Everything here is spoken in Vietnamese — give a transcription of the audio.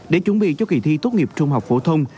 để chuẩn bị cho kỳ thi tốt nghiệp trung học phổ thông